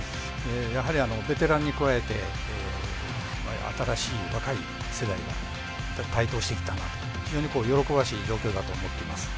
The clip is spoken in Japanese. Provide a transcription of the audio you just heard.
やはり、ベテランに加えて新しい若い世代が台頭してきたなと非常に喜ばしい状況だと思っています。